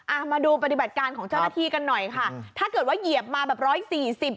มาดูปฏิบัติการของเจ้าหน้าที่กันหน่อยค่ะถ้าเกิดว่าเหยียบมาแบบร้อยสี่สิบ